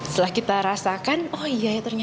setelah kita rasakan oh iya ternyata enak rasanya